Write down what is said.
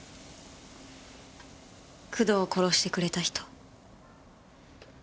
工藤を殺してくれた人。